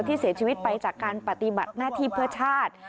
ที่เสียชีวิตไปจากการปฏิบัติหน้าที่เพื่อชาติ